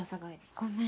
ごめん。